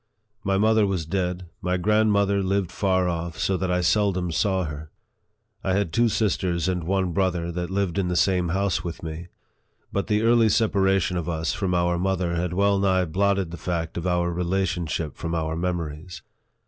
My mother was dead, my grand mother lived far off, so that I seldom saw her. I had two sisters and one brother, that lived in the same house with me ; but the early separation of us from our mother had well nigh blotted the fact of our rela tionship from our memories.